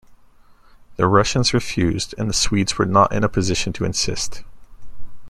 The Russians refused, and the Swedes were not in a position to insist.